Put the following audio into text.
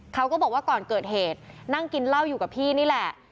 เขาก็บอกว่าก่อนเกิดเหตุนั่งกินเหล้าอยู่กับพี่นี่แหละ